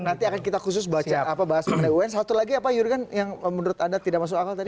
nanti akan kita khusus mengenai un satu lagi apa yurian yang menurut anda tidak masuk akal tadi